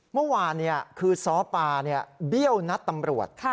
เมื่อวานคือซ้อปาเบี้ยวนัดตำรวจ